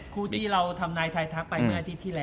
คู่ที่เราทำนายไทยทักไปเมื่ออาทิตย์ที่แล้ว